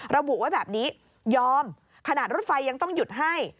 ระบุไว้แบบนี้ยอมขนาดรถไฟยังต้องหยุดให้